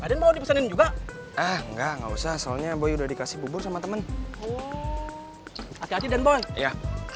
enggak nggak usah soalnya boy udah dikasih bubur sama temen hati hati dan boy ya